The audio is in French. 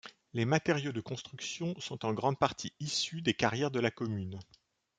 Les matériaux de construction sont en grande partie issus des carrière de la commune.